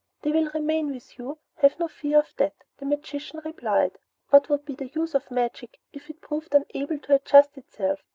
"They will remain with you, have no fear of that," the magician replied. "What would be the use of magic if it proved unable to adjust itself?"